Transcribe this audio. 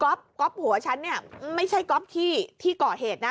ก็โกรฟหัวฉันเนี่ยไม่ใช่ก็ก็ที่กัดเหตุนะ